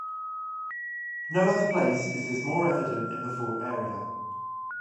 No other place is this more evident in the Fort area.